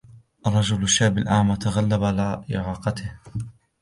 الرَجُل الشاب الأعمى تغلب على إعاقتهُ.